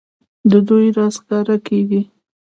د دوی راز ښکاره کېږي.